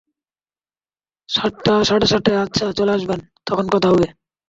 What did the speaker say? সাতটা-সাড়ে সাতটায় আচ্ছা চলে আসবেন, তখন কথা হবে।